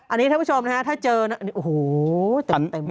อันนี้ท่านผู้ชมนะฮะถ้าเจอนะโอ้โหเต็ม